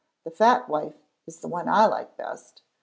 The Fat Wife is the one I like best.